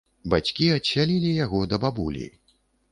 Бацькі адсялілі яго да бабулі.